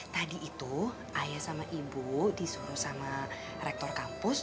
tadi itu ayah sama ibu disuruh sama rektor kampus